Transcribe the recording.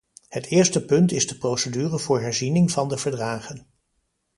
Het eerste punt is de procedure voor herziening van de verdragen.